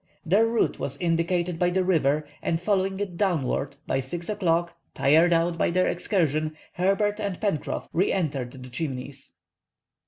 Their route was indicated by the river, and following it downward, by 6 o'clock, tired out by their excursion, Herbert and Pencroff re entered the Chimneys.